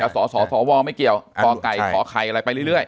แต่สอสอสอวอไม่เกี่ยวกอไก่ขอไข่อะไรไปเรื่อย